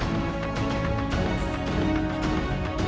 ini mungkin mie sama polisi